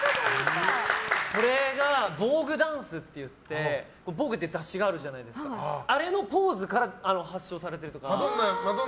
これがヴォーグダンスって言って「ヴォーグ」って雑誌があるじゃないですかあれのポーズから発祥されてるとか。